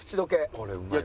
これうまいわ。